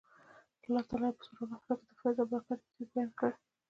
الله تعالی یې په سورة الاسرا کې د فیض او برکت امتیاز بیان کړی.